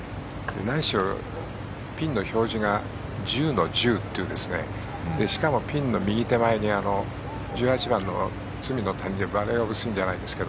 何しろピンの表示が１０の１０というしかもピンの右手前に１８番の罪の谷のバレー・オブ・シンじゃないですが